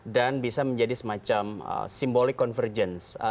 dan bisa menjadi semacam simbolik convergence